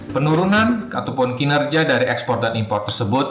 penurunan ataupun kinerja dari ekspor dan impor tersebut